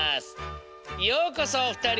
ようこそおふたり。